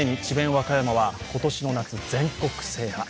和歌山は今年の夏、全国制覇。